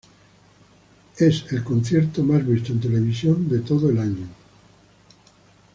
Es el concierto más visto en televisión de todo el año.